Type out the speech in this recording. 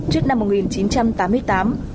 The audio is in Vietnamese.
trước năm một nghìn chín trăm tám mươi tám